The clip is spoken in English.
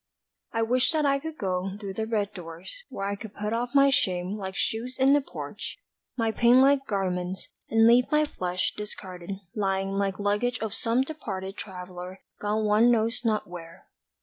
I wish that I could go Through the red doors where I could put off My shame like shoes in the porch, My pain like garments, And leave my flesh discarded lying Like luggage of some departed traveller Gone one knows not where.